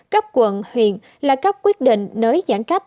các quận huyện là các quyết định nới giãn cách